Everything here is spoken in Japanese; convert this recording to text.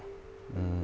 うん。